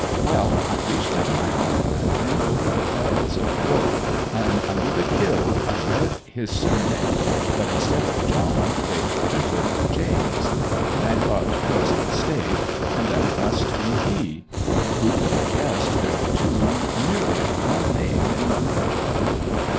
Well, I reached up my arm, and turned over the farrels of the book, and under the "killed" I read his surname, but instead of "John" they'd printed "James," and I thought 'twas a mistake, and that it must be he. Who could have guessed there were two nearly of one name in one regiment.'